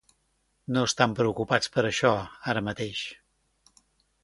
No estan preocupats per això ara mateix.